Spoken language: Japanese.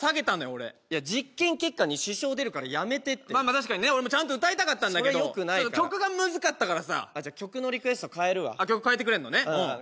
俺実験結果に支障出るからやめてってまあまあ確かにね俺もちゃんと歌いたかったんだけどちょっと曲がムズかったからさじゃ曲のリクエスト変えるわ曲変えてくれんのね